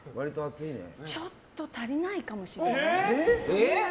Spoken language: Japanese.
ちょっと足りないかもしれない。